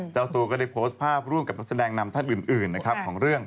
เธอตัวก็ได้โพสต์ภาพร่วมกับรัศดังนำท่านอื่นของเรื่อง